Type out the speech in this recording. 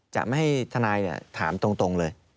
จะไม่ให้ทนายถามตรงเลย